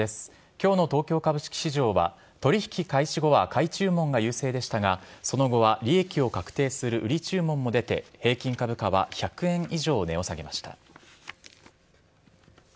きょうの東京株式市場は、取り引き開始後は買い注文が優勢でしたが、その後は利益を確定する売り注文も出て、平均株価は１００円以上値を下げました。